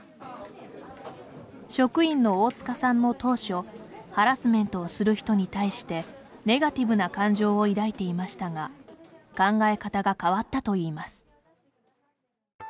職員の大塚さんも当初ハラスメントをする人に対してネガティブな感情を抱いていましたが考え方が変わったといいます。